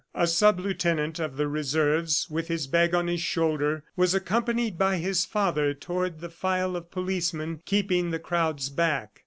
A sub lieutenant of the Reserves, with his bag on his shoulder, was accompanied by his father toward the file of policemen keeping the crowds back.